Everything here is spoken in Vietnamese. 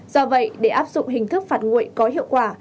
do vậy để áp dụng hình thức phạt nguội có hiệu quả